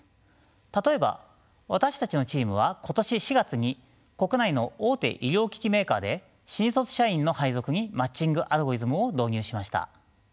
例えば私たちのチームは今年４月に国内の大手医療機器メーカーで新卒社員の配属にマッチングアルゴリズムを導入しました。